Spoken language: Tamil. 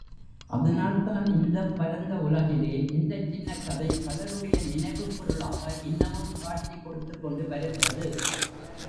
அதனால்தான் இந்தப் பரந்த உலகிலே இந்தச் சின்னக் கதை பலருடைய நினைவுப் பொருளாக இன்னமும் காட்சி கொடுத்துக்கொண்டு வருகிறது.